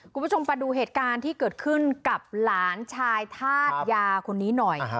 คุณผู้ชมมาดูเหตุการณ์ที่เกิดขึ้นกับหลานชายธาตุยาคนนี้หน่อย